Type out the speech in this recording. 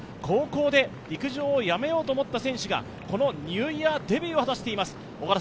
高校で陸上をやめようと思った選手が、ニューイヤーデビューを果たしています。